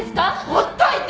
放っといて！